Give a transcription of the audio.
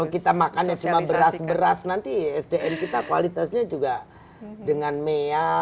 kalau kita makan yang cuma beras beras nanti sdm kita kualitasnya juga dengan meah